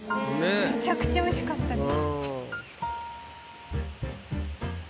めちゃくちゃおいしかったです。